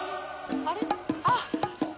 あっ！